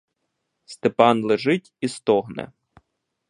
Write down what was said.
Степан лежить і стогне.